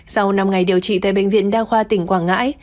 sau năm ngày điều trị tại bệnh viện đa khoa tỉnh quảng ngãi